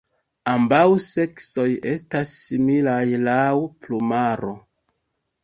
Ambaŭ seksoj estas similaj laŭ plumaro.